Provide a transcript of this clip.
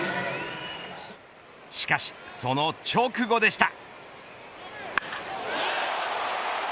しかし、その直後でした。